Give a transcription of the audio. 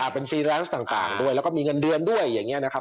เป็นฟรีแลนซ์ต่างด้วยแล้วก็มีเงินเดือนด้วยอย่างนี้นะครับ